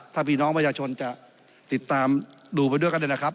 ถ้าพี่น้องประชาชนจะติดตามดูไปด้วยกันเนี่ยนะครับ